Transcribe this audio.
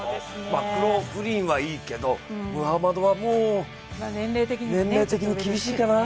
マクローフリンはいいけどムハマドはもう年齢的に厳しいかな。